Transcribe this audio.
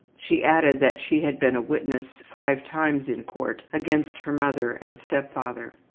She added that she had been a witness five times in court against her mother and step father.